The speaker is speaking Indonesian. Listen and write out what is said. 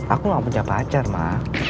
aku gak punya pacar mah